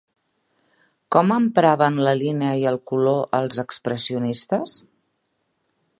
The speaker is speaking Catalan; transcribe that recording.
Com empraven la línia i el color els expressionistes?